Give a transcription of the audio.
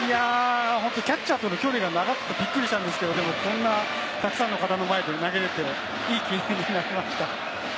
キャッチャーとの距離が長くてびっくりしたんですけれど、こんなたくさんの方の前で投げれて、いい経験になりました。